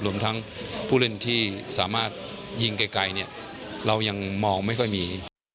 รวมทั้งผู้เล่นที่สามารถยิงไกลเนี่ยเรายังมองไม่ค่อยมี